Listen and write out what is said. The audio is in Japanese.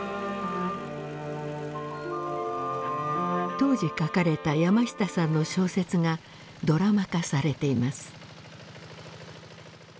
当時書かれた山下さんの小説がドラマ化されています。